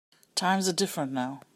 Times are different now.